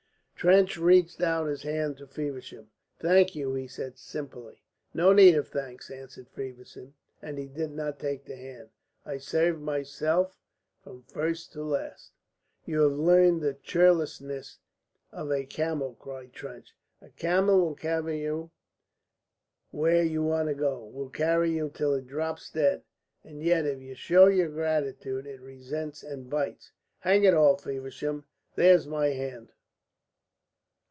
Trench reached out his hand to Feversham. "Thank you," he said simply. "No need of thanks," answered Feversham, and he did not take the hand. "I served myself from first to last." "You have learned the churlishness of a camel," cried Trench. "A camel will carry you where you want to go, will carry you till it drops dead, and yet if you show your gratitude it resents and bites. Hang it all, Feversham, there's my hand."